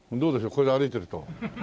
これで歩いてると。